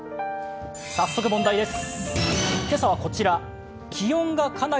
早速問題です。